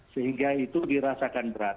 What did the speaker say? sehingga itu dirasakan berat